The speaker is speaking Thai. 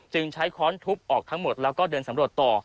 ใช้ค้อนทุบออกทั้งหมดแล้วก็เดินสำรวจต่อ